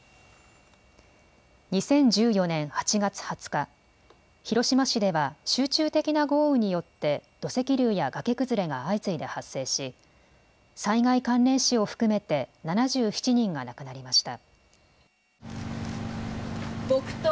２０１４年８月２０日、広島市では集中的な豪雨によって土石流や崖崩れが相次いで発生し災害関連死を含めて７７人が亡くなりました。